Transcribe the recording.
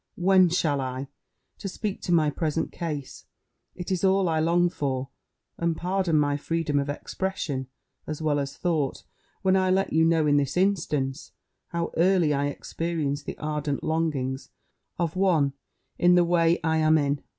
When shall I? To speak to my present case, it is all I long for; and, pardon my freedom of expression, as well as thought, when I let you know in this instance, how early I experience the ardent longings of one in the way I am in.